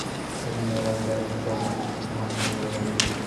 শুনিয়া রাজার চমক ভাঙিয়া গেল।